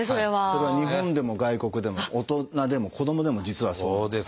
それは日本でも外国でも大人でも子どもでも実はそうで。